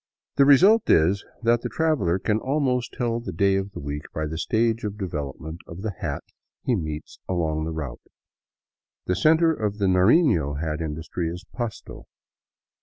The result is that the traveler can almost tell the day of the week by the stage of development of the hats he meets along the route. The center of the Narino hat industry is Pasto.